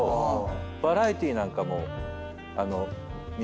バラエティーなんかも見ますよ。